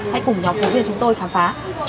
hãy cùng nhỏ phụ huynh chúng tôi khám phá